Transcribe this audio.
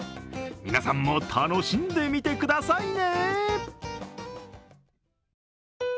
皆さんも楽しんでみてくださいね。